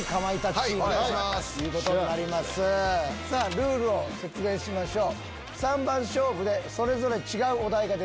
ルールを説明しましょう。